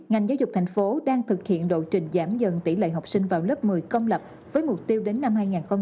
ngành giáo dục thành phố đang thực hiện lộ trình giảm dần tỷ lệ học sinh vào lớp một mươi công lập với mục tiêu đến năm hai nghìn hai mươi năm